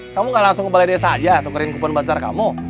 kamu gak langsung ke balai desa aja tukerin kupon bazar kamu